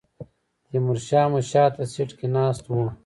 تیمور شاه مو شاته سیټ کې ناست و.